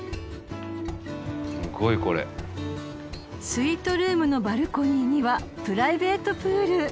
［スイートルームのバルコニーにはプライベートプール］